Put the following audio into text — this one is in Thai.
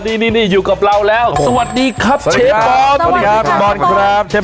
นี่นี่นี่อยู่กับเราแล้วสวัสดีครับเชฟบอลสวัสดีครับ